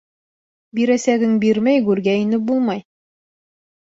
Бирәсәгең бирмәй, гүргә инеп булмай.